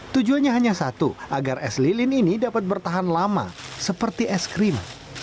tujuannya hanya satu agar es lilin ini dapat bertahan lama seperti es krim